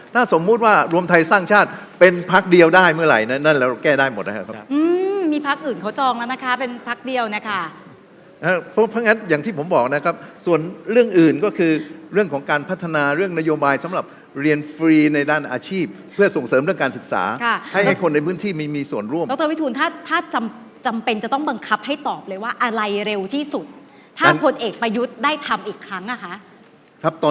ถ้าสมมุติว่ารวมไทยสร้างชาติเป็นพักเดียวได้เมื่อไหร่นั้นเราแก้ได้หมดนะครับมีพักอื่นเขาจองแล้วนะคะเป็นพักเดียวนะคะเพราะฉะนั้นอย่างที่ผมบอกนะครับส่วนเรื่องอื่นก็คือเรื่องของการพัฒนาเรื่องนโยบายสำหรับเรียนฟรีในด้านอาชีพเพื่อส่งเสริมเรื่องการศึกษาให้คนในพื้นที่มีส่วนร่วมถ้าจำเป็นจะต